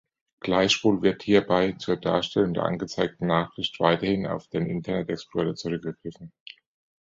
Gleichwohl wird hierbei zur Darstellung der angezeigten Nachricht weiterhin auf den Internet Explorer zurückgegriffen.